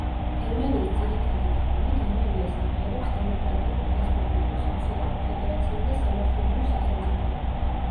გერმანიის ძირითადი კანონი გერმანიას აღიარებს დემოკრატიულ, რესპუბლიკურ, სოციალურ, ფედერაციულ და სამართლებრივ სახელმწიფოდ.